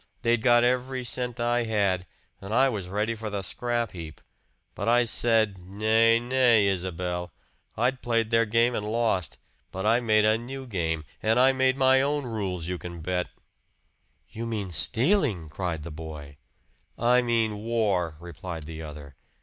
They'd got every cent I had, and I was ready for the scrap heap. But I said, 'Nay, nay, Isabel!' I'd played their game and lost but I made a new game and I made my own rules, you can bet!" "You mean stealing!" cried the boy. "I mean War," replied the other.